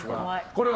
これは？